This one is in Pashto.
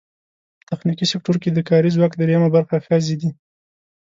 په تخنیکي سکټور کې د کاري ځواک درېیمه برخه ښځې دي.